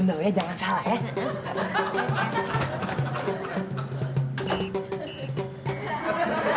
benernya jangan salah ya